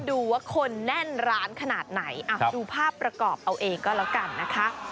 ดูว่าคนแน่นร้านขนาดไหนดูภาพประกอบเอาเองก็แล้วกันนะคะ